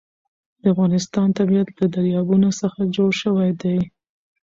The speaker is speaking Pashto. د افغانستان طبیعت له دریابونه څخه جوړ شوی دی.